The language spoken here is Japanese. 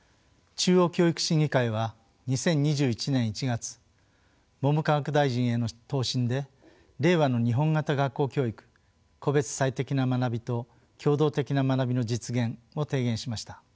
中央教育審議会は２０２１年１月文部科学大臣への答申で「令和の日本型学校教育個別最適な学びと協働的な学びの実現」を提言しました。